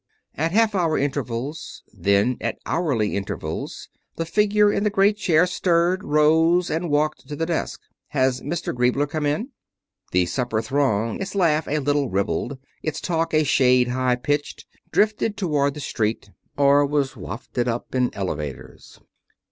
At half hour intervals, then at hourly intervals, the figure in the great chair stirred, rose, and walked to the desk. "Has Mr. Griebler come in?" The supper throng, its laugh a little ribald, its talk a shade high pitched, drifted towards the street, or was wafted up in elevators.